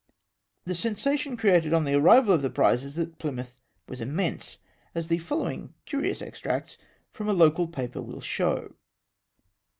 The sensation created on the arrival of the prizes at Plymouth was immense, as the following curious ex tracts from a local paper will show.